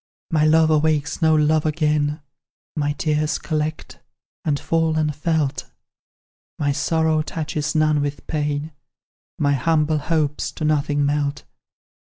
"My love awakes no love again, My tears collect, and fall unfelt; My sorrow touches none with pain, My humble hopes to nothing melt.